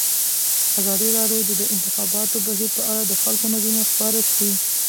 ازادي راډیو د د انتخاباتو بهیر په اړه د خلکو نظرونه خپاره کړي.